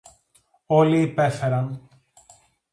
Όλοι υπέφεραν